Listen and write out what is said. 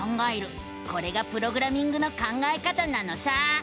これがプログラミングの考え方なのさ！